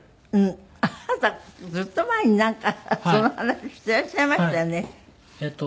あなたずっと前になんかその話していらっしゃいましたよね？